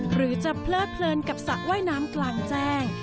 หรือจะเพลิดเพลินกับสระว่ายน้ำกลางแจ้ง